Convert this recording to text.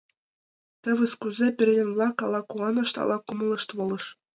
— Тевыс кузе-э! — пӧръеҥ-влак ала куанышт, ала кумылышт волыш.